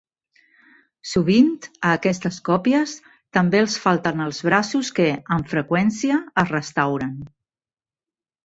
Sovint, a aquestes còpies també els falten els braços que, amb freqüència, es restauren.